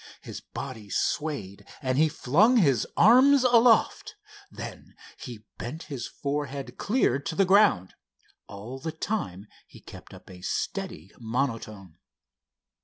His body swayed and he flung his arms aloft. Then he bent his forehead clear to the ground. All the time he kept up a steady monotone.